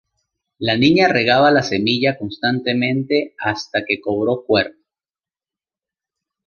La niña regaba la semilla constantemente hasta que cobró cuerpo.